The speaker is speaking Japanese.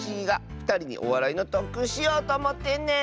ふたりにおわらいのとっくんしようとおもってんねん！